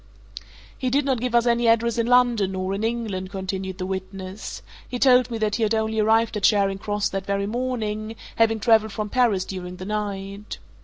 "He did not give us any address in London, nor in England," continued the witness. "He told me that he had only arrived at Charing Cross that very morning, having travelled from Paris during the night.